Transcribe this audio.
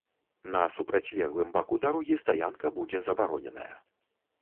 На супрацьлеглым баку дарогі стаянка будзе забароненая.